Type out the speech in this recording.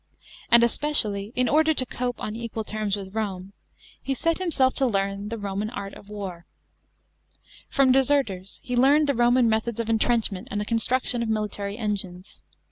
And especially, in order to cope on equal terms with Rome, he set himself to learn the Roman art of war. From deserters he learned the Roman methods of entrenchment and the construction of military engines.